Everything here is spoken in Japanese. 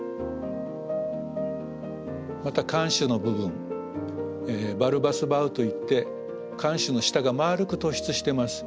また艦首の部分バルバス・バウといって艦首の下が丸く突出してます。